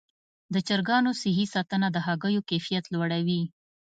د چرګانو صحي ساتنه د هګیو کیفیت لوړوي.